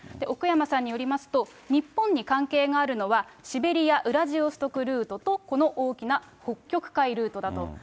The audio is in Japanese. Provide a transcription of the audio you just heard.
奥山さんによりますと、日本に関係があるのは、シベリア・ウラジオストクルートとこの大きな北極海ルートだと。